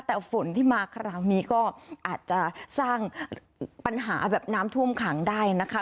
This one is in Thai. แต่ฝนที่มาคราวนี้ก็อาจจะสร้างปัญหาแบบน้ำท่วมขังได้นะคะ